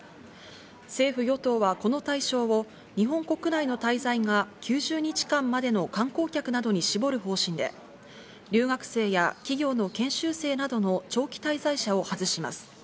政府・与党はこの対象を日本国内の滞在が９０日間までの観光客などに絞る方針で、留学生や企業の研修生などの長期滞在者を外します。